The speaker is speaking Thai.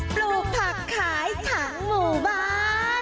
ปลูกผักขายทั้งหมู่บ้าน